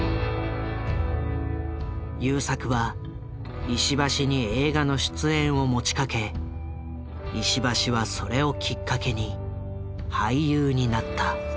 優作は石橋に映画の出演を持ちかけ石橋はそれをきっかけに俳優になった。